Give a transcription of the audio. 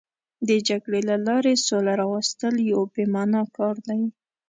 د جګړې له لارې سوله راوستل یو بې معنا کار دی.